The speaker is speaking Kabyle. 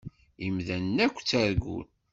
Imdanen akk ttargun.